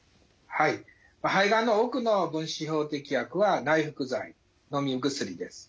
はい肺がんの多くの分子標的薬は内服剤のみ薬です。